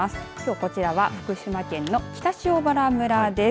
こちらは福島県の北塩原村です。